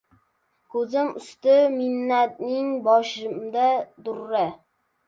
Ko‘zim usti minnating boshimga durra.